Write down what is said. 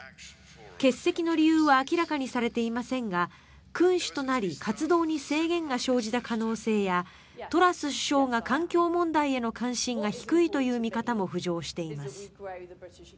欠席の理由は明らかにされていませんが君主となり活動に制限が生じた可能性やトラス首相が環境問題への関心が低いという見方も浮上しています。